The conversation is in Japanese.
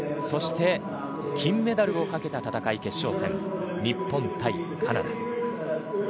そして、金メダルをかけた戦い決勝戦日本対カナダ。